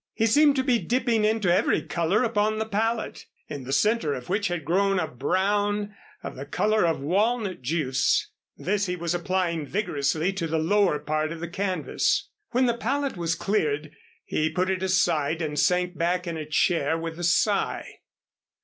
He seemed to be dipping into every color upon the palette, in the center of which had grown a brown of the color of walnut juice. This he was applying vigorously to the lower part of the canvas. When the palette was cleared he put it aside and sank back in a chair with a sigh.